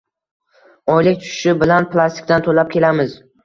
Oylik tushishi bilan plastikdan toʻlab kelamiz